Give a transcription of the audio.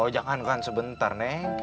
jangan kan sebentar neng